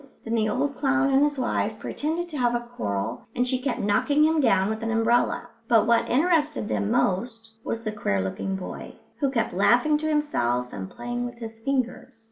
Then the old clown and his wife pretended to have a quarrel, and she kept knocking him down with an umbrella; but what interested them most was the queer looking boy, who kept laughing to himself and playing with his fingers.